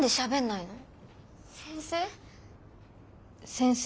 先生？